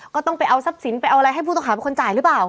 ก็ต้องไปเอาทรัพย์สินไปเอาอะไรให้ผู้ต้องหาเป็นคนจ่ายหรือเปล่า